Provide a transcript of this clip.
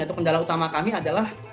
atau kendala utama kami adalah